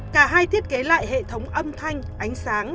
cả hai thiết kế lại hệ thống âm thanh ánh sáng